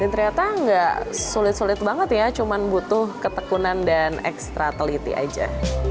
ini ternyata nggak sulit sulit banget ya cuma butuh ketekunan dan ekstra teliti aja